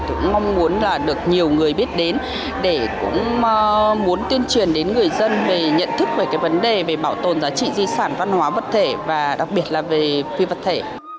tôi cũng mong muốn là được nhiều người biết đến để cũng muốn tuyên truyền đến người dân về nhận thức về cái vấn đề về bảo tồn giá trị di sản văn hóa vật thể và đặc biệt là về phi vật thể